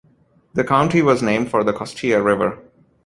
The county was named for the Costilla River.